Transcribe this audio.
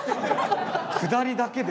下りだけで？